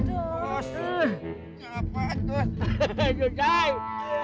kos apaan itu